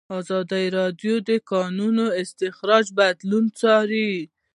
ازادي راډیو د د کانونو استخراج بدلونونه څارلي.